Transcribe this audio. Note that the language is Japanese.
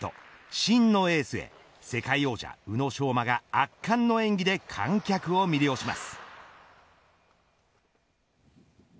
真のエースへ、世界王者宇野昌磨が圧巻の演技で観客を魅了します。